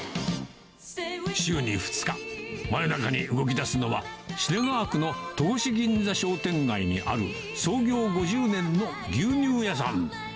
週に２日、真夜中に動き出すのは、の戸越銀座商店街にある創業５０年の牛乳屋さん。